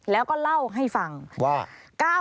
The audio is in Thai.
แล้วก็เล่าให้ฟังว่า